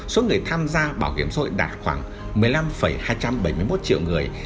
số người tham gia bảo hiểm xã hội đạt khoảng một mươi năm hai trăm bảy mươi một triệu người